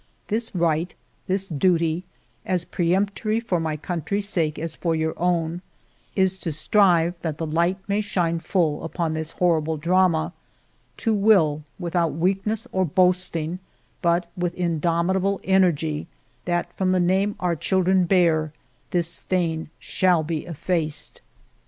This right, this duty, as peremptory for my country's sake as for your own, is to strive that the light may shine full upon this horrible drama ; to will, without weakness or boasting, but with indomi table energy, that from the name our children bear this stain shall be effaced.